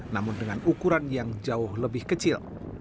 namun dengan ukuran yang jauh lebih kecil